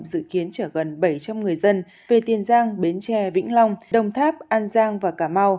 dự kiến chở gần bảy trăm linh người dân về tiền giang bến tre vĩnh long đồng tháp an giang và cà mau